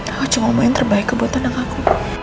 aku cuma mau yang terbaik buat anak aku